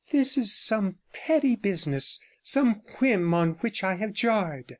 'This is some petty business, some whim on which I have jarred.'